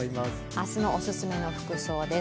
明日のおすすめの服装です。